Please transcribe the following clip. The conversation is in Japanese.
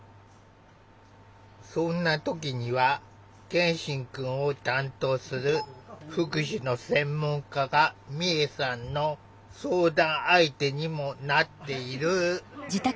そんな時には健心くんを担当する福祉の専門家が美恵さんの相談相手にもなっている。